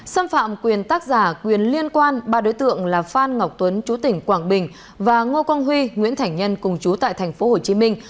xâm phạm quyền tác giả quyền liên quan ba đối tượng là phan ngọc tuấn chú tỉnh quảng bình và ngô quang huy nguyễn thảnh nhân cùng chú tại thành phố hồ chí minh